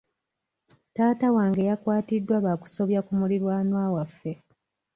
Taata wange yakwatiddwa lwa kusobya ku muliraanwa waffe.